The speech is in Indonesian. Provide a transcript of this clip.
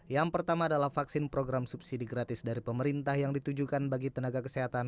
yang pertama adalah vaksin program subsidi gratis dari pemerintah yang ditujukan bagi tenaga kesehatan